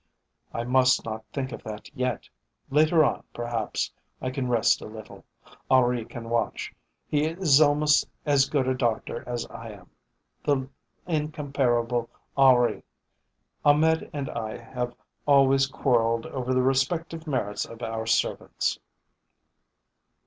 "I must not think of that yet. Later on, perhaps, I can rest a little. Henri can watch; he is almost as good a doctor as I am, the incomparable Henri! Ahmed and I have always quarrelled over the respective merits of our servants."